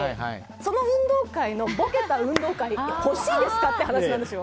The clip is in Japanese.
その運動会のぼけた運動会が欲しいですかという話なんですよ。